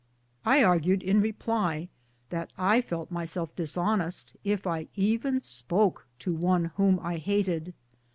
I argued in reply that I felt myself dishonest if I even spoke to one whom I hated.